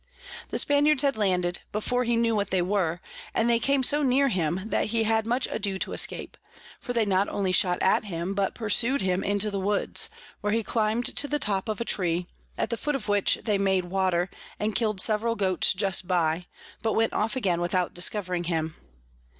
The Spaniards had landed, before he knew what they were, and they came so near him that he had much ado to escape; for they not only shot at him but pursu'd him into the Woods, where he climb'd to the top of a Tree, at the foot of which they made water, and kill'd several Goats just by, but went off again without discovering him.